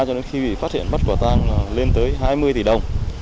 cho đến khi bị phát hiện bắt quả tăng lên tới hai mươi tỷ đồng